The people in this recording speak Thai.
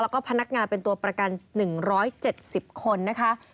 แล้วก็พนักงานเป็นตัวประกัน๑๗๐คนนะคะ